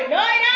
tận nơi này